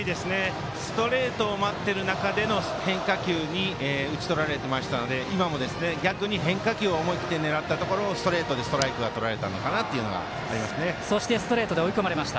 ストレートを待っている中での変化球に打ち取られてましたので今も逆に変化球を思い切って狙ったところをストレートでストライクとられたのかなと思います。